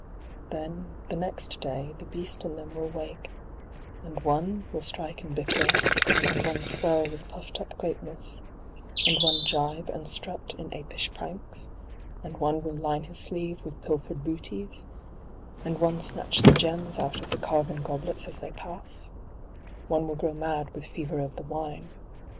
Then the next day the beast in them will wake, and one will strike and bicker, and one swell with puffed up greatness, and one gibe and strut in apish pranks, and one will line his sleeve with pilfered booties, and one snatch the gems out of the carven goblets as they pass, one will grow mad with fever of the wine, CIRCE.